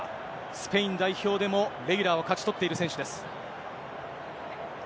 スペイン代表でもレギュラーを勝ち取っている選手です。